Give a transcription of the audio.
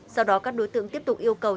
sau đó các đối tượng tiếp tục yêu cầu